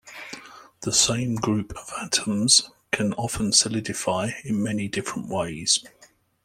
The same group of atoms can often solidify in many different ways.